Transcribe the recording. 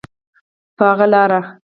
په هغه لاره.